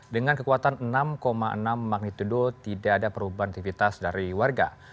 dengan kekuatan enam enam magnitudo tidak ada perubahan aktivitas dari warga